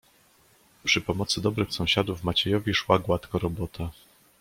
"Przy pomocy dobrych sąsiadów Maciejowi szła gładko robota."